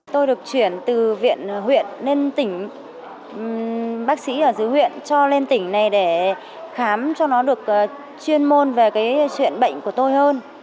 tôi được chuyển từ viện huyện lên tỉnh bác sĩ ở dưới huyện cho lên tỉnh này để khám cho nó được chuyên môn về cái chuyện bệnh của tôi hơn